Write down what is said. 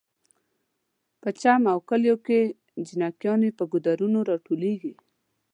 په چم او کلیو کې جلکیانې په ګودرونو راټولیږي